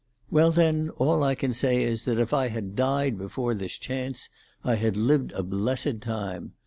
"Well, then, all I can say is that if I had died before this chance, I had lived a blessed time.